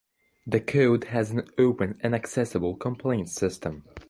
The code has an open and accessible complaints system.